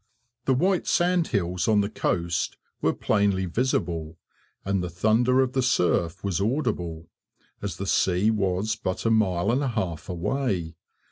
The white sand hills on the coast were plainly visible, and the thunder of the surf was audible, as the sea was but a mile and a half away.